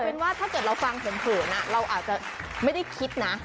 เป็นว่าถ้าเกิดเราฟังเผินเราอาจจะไม่ได้คิดนะ